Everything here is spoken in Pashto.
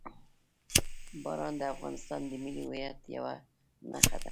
باران د افغانستان د ملي هویت یوه نښه ده.